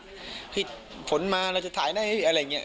ถ้าหากผลมาเราจะถ่ายหน้าให้อะไรอย่างนี้